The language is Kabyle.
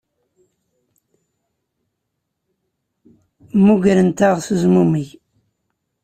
Mmugrent-aɣ s uzmumeg.